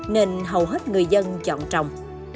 nên hầu hết người dân chọn trồng